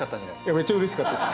めっちゃうれしかったです！